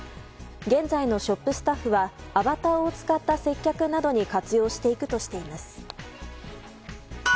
現在のショップスタッフはアバターを使った接客などに活用していくとしています。